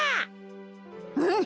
うん！